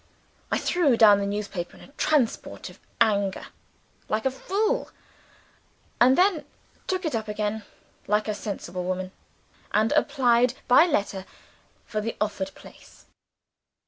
I threw down the newspaper, in a transport of anger (like a fool) and then took it up again (like a sensible woman), and applied by letter for the offered place.